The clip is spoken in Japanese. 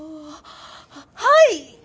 はい！